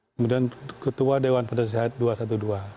kemudian ketua dewan penasehat dua ratus dua belas